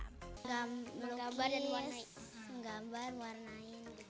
melukis menggambar mewarnai